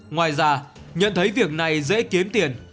ngoài ra nhận thấy việc này dễ kiếm tiền